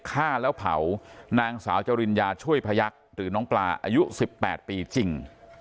ฆ่าแล้วเผานางสาวจริญญาช่วยพยักษ์หรือน้องปลาอายุ๑๘ปีจริง